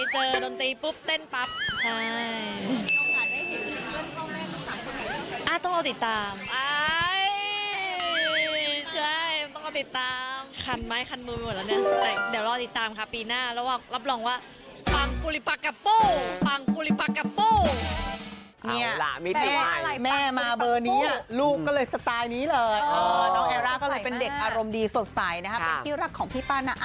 ดนตรีปุ๊บเต้นปั๊บใช่